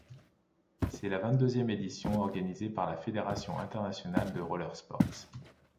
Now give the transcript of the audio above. C'est la vingt-deuxième édition organisée par la Fédération internationale de roller sports.